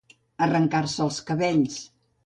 Arrencar-se els cabells.